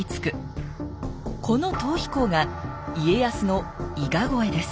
この逃避行が家康の伊賀越えです